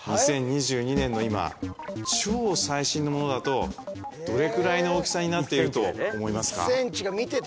２０２２年の今超最新のものだとどれくらいの大きさになっていると思いますか？